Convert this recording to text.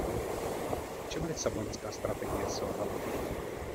V čem Lisabonská strategie selhala?